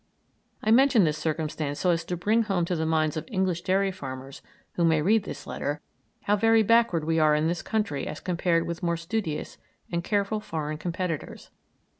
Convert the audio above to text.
I mention this circumstance so as to bring home to the minds of English dairy farmers who may read this letter how very backward we are in this country as compared with more studious and careful foreign competitors.